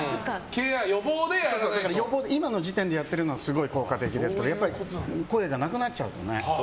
だから、今の時点でやってるのはすごい効果的ですけどやっぱり声がなくなっちゃうとね。